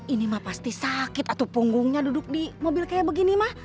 ini mah pasti sakit atau punggungnya duduk di mobil kayak begini mah